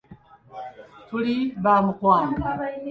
Tuli ba mukwano!